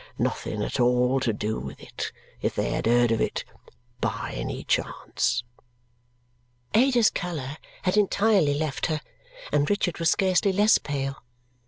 nothing at all to do with it if they had heard of it by any chance!" Ada's colour had entirely left her, and Richard was scarcely less pale.